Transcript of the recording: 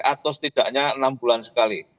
atau setidaknya enam bulan sekali